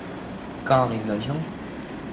Quand arrive l'avion ?